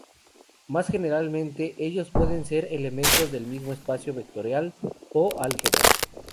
Más generalmente, ellos pueden ser elementos del mismo espacio vectorial o álgebra.